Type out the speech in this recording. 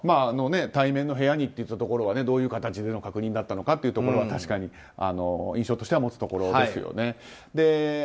対面の部屋にというところはどういう形での確認だったのかというのは確かに印象としては持つところですよね。